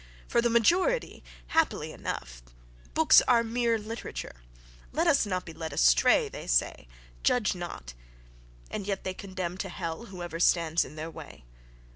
—For the majority, happily enough, books are mere literature.—Let us not be led astray: they say "judge not," and yet they condemn to hell whoever stands in their way.